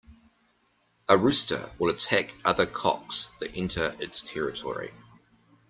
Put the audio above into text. A rooster will attack other cocks that enter its territory.